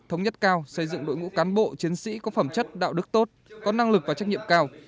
thống nhất cao xây dựng đội ngũ cán bộ chiến sĩ có phẩm chất đạo đức tốt có năng lực và trách nhiệm cao